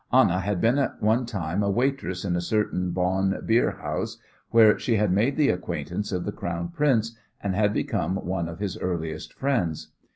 Anna had been at one time a waitress in a certain Bonn beer house where she had made the acquaintance of the Crown Prince, and had become one of his earliest friends.